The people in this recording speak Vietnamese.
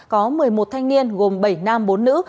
có một mươi một thanh niên gồm bảy nam bốn nữ